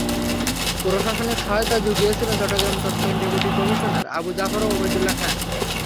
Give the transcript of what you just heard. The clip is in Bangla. প্রশাসনিক সহায়তা জুগিয়েছিলেন চট্টগ্রামের তৎকালীন ডেপুটি কমিশনার আবু জাফর ওবায়দুল্লাহ খান।